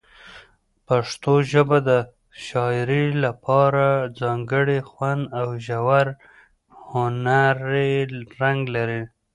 پښتو ژبه د شاعرۍ لپاره ځانګړی خوند او ژور هنري رنګ لري.